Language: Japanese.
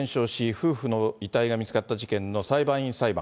夫婦の遺体が見つかった事件の裁判員裁判。